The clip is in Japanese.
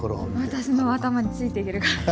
私の頭でついていけるかな。